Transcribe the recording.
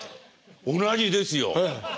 同じですよ！